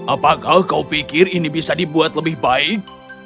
apakah kau pikir ini bisa dibuat lebih baik